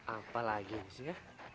apa lagi sih ya